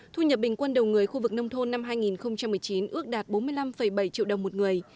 thu nhập bình quân đầu người khu vực nông thôn năm hai nghìn một mươi chín ước đạt bốn mươi năm bảy triệu đồng một người